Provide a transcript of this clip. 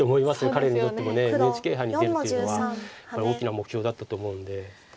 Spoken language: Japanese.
彼にとってもＮＨＫ杯に出るというのは大きな目標だったと思うんで。